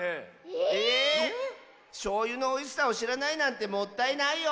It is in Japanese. えっ⁉しょうゆのおいしさをしらないなんてもったいないよ！